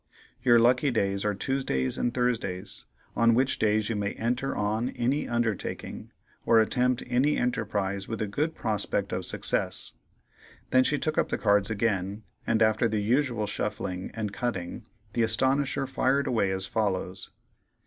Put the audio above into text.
Your lucky days are Tuesdays and Thursdays, on which days you may enter on any undertaking, or attempt any enterprise with a good prospect of success." Then she took up the cards again, and after the usual shuffling and cutting, the Astonisher fired away as follows.